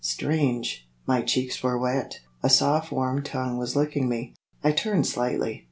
Strange! My cheeks were wet. A soft warm tongue was licking me. I turned slightly.